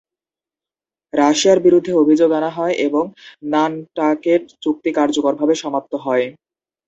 রাশিয়ার বিরুদ্ধে অভিযোগ আনা হয় এবং নানটাকেট চুক্তি কার্যকরভাবে সমাপ্ত হয়।